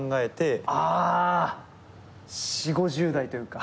ああ４０５０代というか。